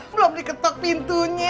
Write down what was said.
belum diketok pintunya